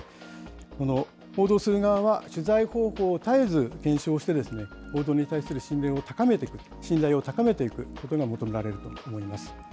この報道する側は、取材方法を絶えず検証して、報道に関する信頼を高めていくことが求められると思います。